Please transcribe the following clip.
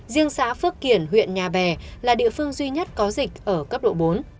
riêng xã phước kiển huyện nhà bè là địa phương duy nhất có dịch ở cấp độ bốn